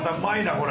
これ。